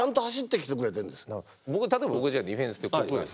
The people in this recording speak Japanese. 僕例えば僕じゃあディフェンスでこう。